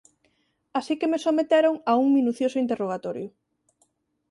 Así que me someteron a un minucioso interrogatorio.